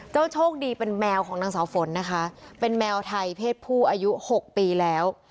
โชคดีเป็นแมวของนางสาวฝนนะคะเป็นแมวไทยเพศผู้อายุ๖ปีแล้ว